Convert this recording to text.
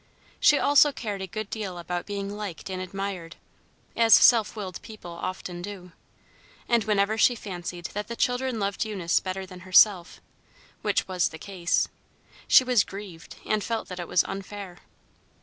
She also cared a good deal about being liked and admired, as self willed people often do; and whenever she fancied that the children loved Eunice better than herself (which was the case), she was grieved, and felt that it was unfair.